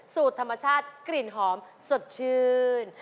สูตรธรรมชาติกลิ่นหอมสดชื่น